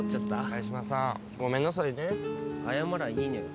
萱島さんごめんなさいね謝りゃいいのよ